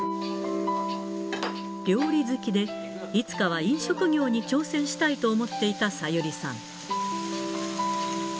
料理好きで、いつかは飲食業に挑戦したいと思っていた小百合さん。